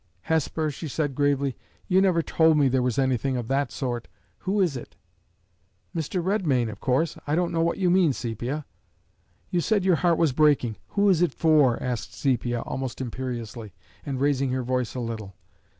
"Hesper," she said, gravely, "you never told me there was anything of that sort! Who is it?" "Mr. Redmain, of course! I don't know what you mean, Sepia." "You said your heart was breaking: who is it for?" asked Sepia, almost imperiously, and raising her voice a little.